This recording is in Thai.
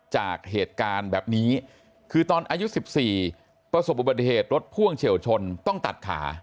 จากเหตุการณ์แบบนี้คือตอนอายุ๑๔ประสบอุบัติเหตุรถพ่วงเฉียวชนต้องตัดขา